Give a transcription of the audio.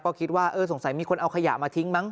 ก็คิดว่าเออสงสัยมีคนเอาขยะมาทิ้งมั้